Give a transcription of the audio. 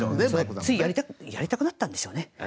ついやりたくなったんでしょうね。